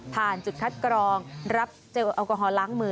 จุดคัดกรองรับเจลแอลกอฮอลล้างมือ